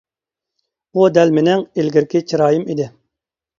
ئۇ دەل مېنىڭ ئىلگىرىكى چىرايىم ئىدى.